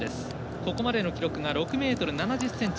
ここまでの記録が６ｍ７０ｃｍ